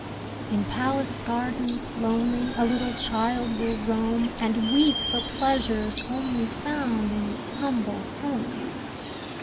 In palace gardens, lonely, A little child will roam And weep for pleasures only Found in its humble home.